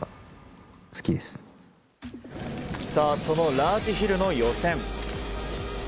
そのラージヒルの予選。